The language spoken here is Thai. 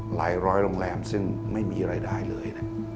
ร้อยโรงแรมซึ่งไม่มีรายได้เลย